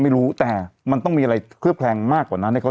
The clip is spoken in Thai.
ไม่รู้แต่มันต้องมีอะไรเคลือบแคลงมากกว่านั้นให้เขา